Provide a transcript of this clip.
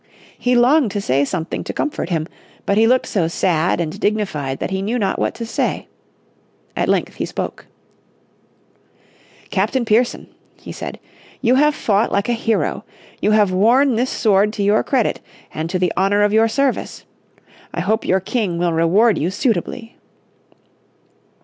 He longed to say something to comfort him, but he looked so sad and dignified that he knew not what to say. At length he spoke. "Captain Pearson," he said "you have fought like a hero. You have worn this sword to your credit, and to the honour of your service. I hope your King will reward you suitably."